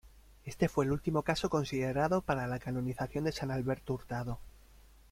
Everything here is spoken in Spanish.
Este fue el último caso considerado para la canonización de San Alberto Hurtado.